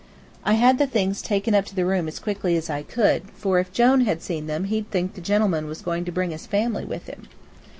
I had the things taken up to the room as quickly as I could, for if Jone had seen them he'd think the gentleman was going to bring his family with him.